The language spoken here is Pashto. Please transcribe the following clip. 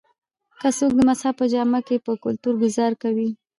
کۀ څوک د مذهب پۀ جامه کښې پۀ کلتور ګذار کوي